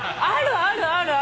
あるある。